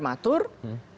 ini betul betul prematur